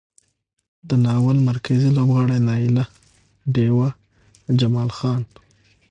د ناول مرکزي لوبغاړي نايله، ډېوه، جمال خان،